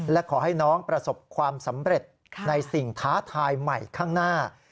และขอให้น้องประสบความสำเร็จในสิ่งท้าทายใหม่ข้างหน้า